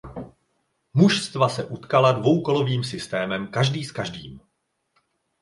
Mužstva se utkala dvoukolovým systémem každý s každým.